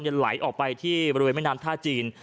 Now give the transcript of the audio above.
ไหลออกไปที่บริเวณแม่น้ำท่าจีน